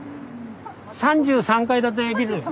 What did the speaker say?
３３階建てビル。